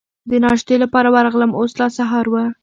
د ناشتې لپاره ورغلم، اوس لا سهار و.